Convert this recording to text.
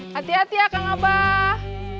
hati hati ya kang abah